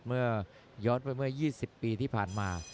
ยอดเพิ่มเมื่อ๒๐ปีที่ผ่านมา